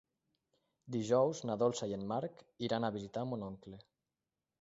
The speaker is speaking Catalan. Dijous na Dolça i en Marc iran a visitar mon oncle.